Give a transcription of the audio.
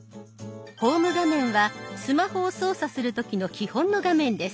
ホーム画面はスマホを操作する時の基本の画面です。